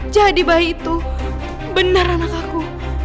jadi bayi itu benar anak aku